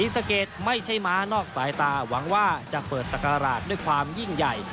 สะเกดไม่ใช่ม้านอกสายตาหวังว่าจะเปิดศักราชด้วยความยิ่งใหญ่